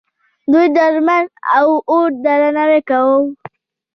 دوی د لمر او اور درناوی کاوه